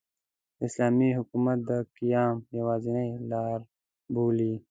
د اسلامي حکومت د قیام یوازینۍ لاربولي.